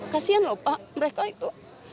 kasian lho pak mereka itu